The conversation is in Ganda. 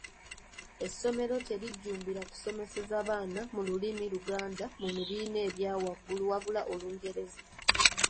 Essomero terijjumbira kusomeseza baana mu lulimi Oluganda mu bibiina ebya waggulu wabula Olungereza.